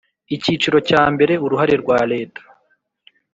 Icyiciro cya mbere Uruhare rwa Leta